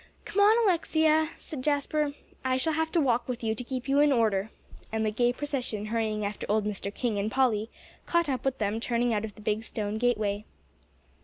"Come on, Alexia," said Jasper. "I shall have to walk with you to keep you in order," and the gay procession hurrying after old Mr. King and Polly, caught up with them turning out of the big stone gateway.